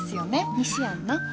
西やんな？